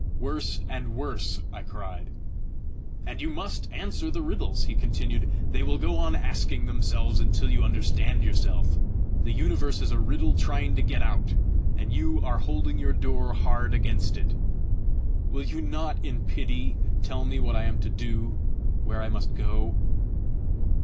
"Worse and worse!" I cried. "And you MUST answer the riddles!" he continued. "They will go on asking themselves until you understand yourself. The universe is a riddle trying to get out, and you are holding your door hard against it." "Will you not in pity tell me what I am to do where I must go?"